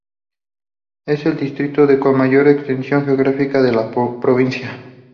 Es el distrito de mayor extensión geográfica de la provincia.